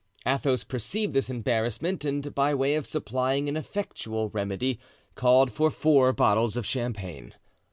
Athos perceived this embarrassment, and by way of supplying an effectual remedy, called for four bottles of champagne.